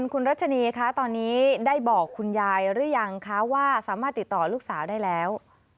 คุณรัชนีคะตอนนี้ได้บอกคุณยายหรือยังคะว่าสามารถติดต่อลูกสาวได้แล้ว